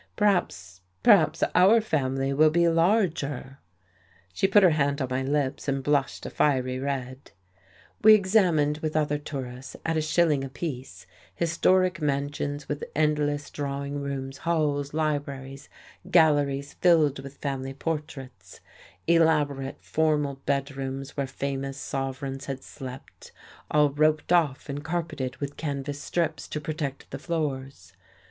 "Perhaps perhaps our family will be larger." She put her hand on my lips, and blushed a fiery red.... We examined, with other tourists, at a shilling apiece historic mansions with endless drawing rooms, halls, libraries, galleries filled with family portraits; elaborate, formal bedrooms where famous sovereigns had slept, all roped off and carpeted with canvas strips to protect the floors.